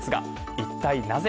一体なぜ。